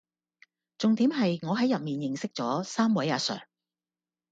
重點係我係入面認識咗三位阿 sir⠀⠀